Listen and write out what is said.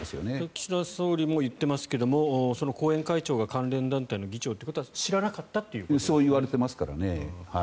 岸田総理も言ってますけども後援会長が関連団体の議長ということはそう言われていますからね。